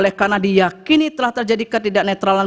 oleh karena diyakini telah terjadi ketidaknetralan